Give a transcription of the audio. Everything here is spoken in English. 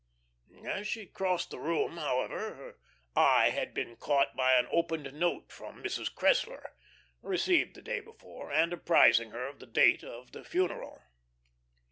As she crossed the room, however, her eye had been caught by an opened note from Mrs. Cressler, received the day before, and apprising her of the date of the funeral.